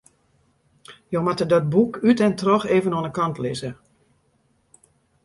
Je moatte dat boek út en troch even oan de kant lizze.